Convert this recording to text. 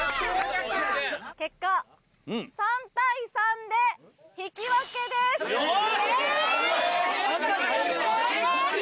やった結果３対３で引き分けですえっ